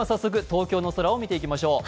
東京の空を見ていきましょう。